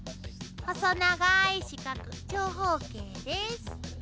細長い四角長方形です。